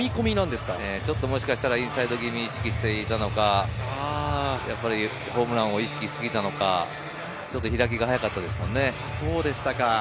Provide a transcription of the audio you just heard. もしかしたらインサイド気味、意識していたのか、ホームランを意識し過ぎたのか、開きが早かったですね。